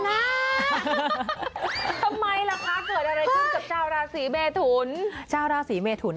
ทำไมล่ะคะเกิดอะไรขึ้นจากชาวราศีเมทุน